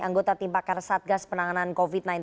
anggota timpakar satgas penanganan covid sembilan belas